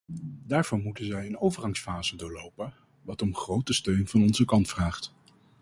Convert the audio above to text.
Daarvoor moeten zij een overgangsfase doorlopen, wat om grote steun van onze kant vraagt.